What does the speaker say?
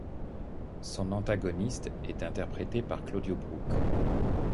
Son antagoniste est interprété par Claudio Brook.